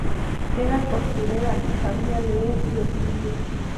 Era costurera y sabía leer y escribir.